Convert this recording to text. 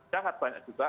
sangat banyak juga